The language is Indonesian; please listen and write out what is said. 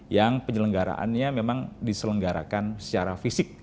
yang penyelenggaraannya memang diselenggarakan secara fisik